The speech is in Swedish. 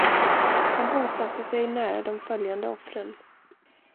Han bosatte sig nära de följande offren.